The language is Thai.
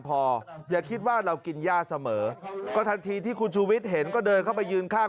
พออย่าคิดว่าเรากินย่าเสมอก็ทันทีที่คุณชูวิทย์เห็นก็เดินเข้าไปยืนข้าง